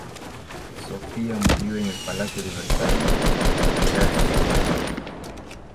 Sofía murió en el Palacio de Versalles, a la edad de siete años.